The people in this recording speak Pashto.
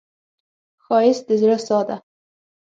ښایست د زړه ساه ده